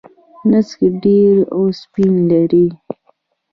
نسک ډیر اوسپنه لري.